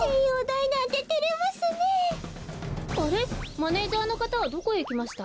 マネージャーのかたはどこへいきました？